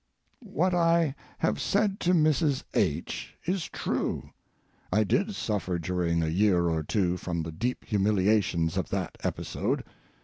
What I have said to Mrs. H. is true. I did suffer during a year or two from the deep humiliations of that episode.